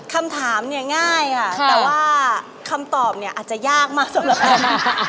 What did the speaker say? คำถามเนี่ยง่ายค่ะแต่ว่าคำตอบเนี่ยอาจจะยากมากสำหรับเรานะ